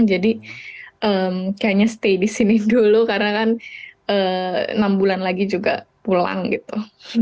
jadi kayaknya stay di sini dulu karena kan enam bulan lagi juga pulang gitu